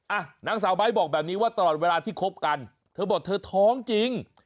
นางสาวไม้บอกแบบนี้ว่าตลอดเวลาที่คบกันเธอบอกเธอท้องจริง